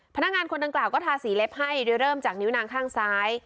พนักงานคนดังกล่าวก็ทาสีเล็บให้โดยเริ่มจากนิ้วนางข้างซ้าย